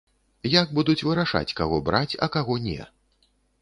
Як будуць вырашаць, каго браць, а каго не?